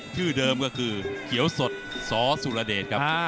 ชื่อเดิมก็คือเขียวสดสสุรเดชครับ